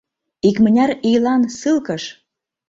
— Икмыняр ийлан ссылкыш!